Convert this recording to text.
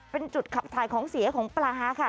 เป็นจุดขับถ่ายของเสียของปลาค่ะ